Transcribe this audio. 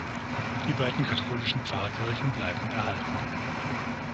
Die beiden katholischen Pfarrkirchen bleiben erhalten.